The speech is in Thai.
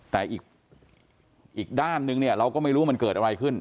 แต่อีกด้านนึงเนี่ยเราก็ไม่รู้ว่ามันเกิดอะไรขึ้น